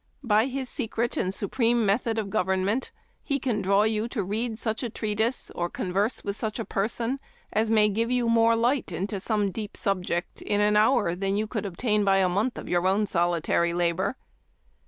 By his secret and supreme method of government he can draw you to read such a treatise, or converse with such a person, as may give you more light into some deep subject in an hour than you could obtain by a month of your own solitary labor.